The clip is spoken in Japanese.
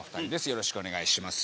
よろしくお願いします。